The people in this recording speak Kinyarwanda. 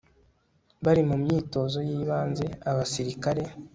bari mu myitozo y ibanze y Abasirikare